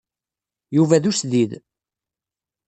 Yuba d usdid.